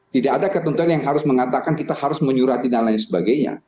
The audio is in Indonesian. tidak ada ketentuan yang harus mengatakan kita harus menyurati dan lain sebagainya